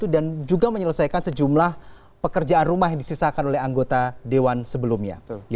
juga menyelesaikan sejumlah pekerjaan rumah yang disisakan oleh anggota dewan sebelumnya